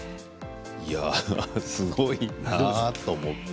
いやあ、すごいなと思って。